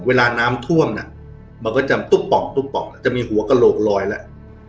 เวลาน้ำท่วมน่ะมันก็จะตุ๊บปอกตุ๊บปอกแล้วจะมีหัวกระโหลกลอยแล้ว